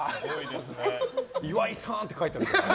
岩井さんって書いてある。